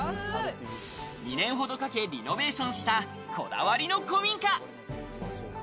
２年ほどかけリノベーションした、こだわりの古民家。